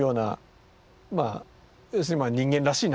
まあ要するに人間らしいなと。